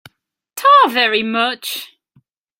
Ta very much.